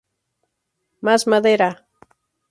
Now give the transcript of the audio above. Más madera!